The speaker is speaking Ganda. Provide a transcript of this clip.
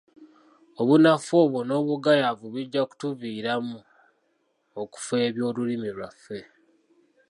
Obunafu obwo n’obugayaavu bijja kutuviiramu okufeebya olulimi lwaffe.